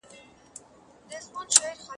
خپل ملګري د دې اپلیکیشن کارولو ته وهڅوئ.